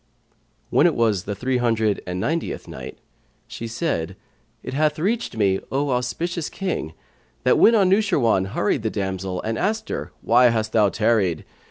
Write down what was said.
When it was the Three hundred and Ninetieth Night She said, It hath reached me, O auspicious King, that when Anushirwan hurried the damsel and asked her, "Why hast thou tarried?"